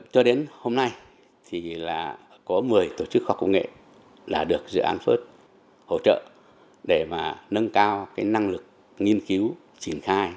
cho đến hôm nay có một mươi tổ chức khoa học công nghệ được dự án first hỗ trợ để nâng cao năng lực nghiên cứu